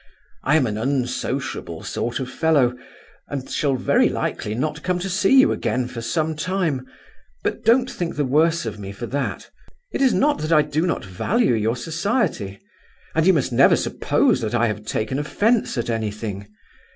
I am an unsociable sort of fellow and shall very likely not come to see you again for some time; but don't think the worse of me for that. It is not that I do not value your society; and you must never suppose that I have taken offence at anything.